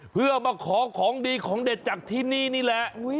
เพื่อมาขอของดีของเด็ดจากที่นี่นี่แหละ